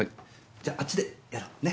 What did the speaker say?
じゃあっちでやろう。ね？